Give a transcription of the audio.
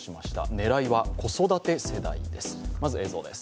狙いは子育て世代です。